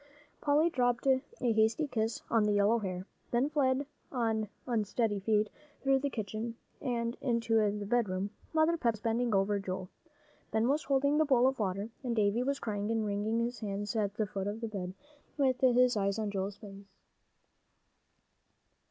Polly dropped a hasty kiss on the yellow hair, then fled on unsteady feet through the kitchen and into the bedroom. Mother Pepper was bending over Joel. Ben was holding the bowl of water, and Davie was crying and wringing his hands at the foot of the bed, with his eyes on Joel's face.